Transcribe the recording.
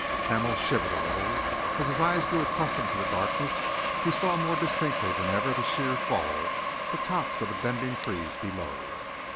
Hamel shivered a little. As his eyes grew accustomed to the darkness, he saw more distinctly than ever the sheer fall, the tops of the bending trees below.